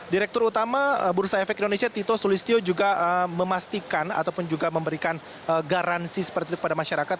direktur utama bursa efek indonesia tito sulistyo juga memastikan ataupun juga memberikan garansi seperti itu kepada masyarakat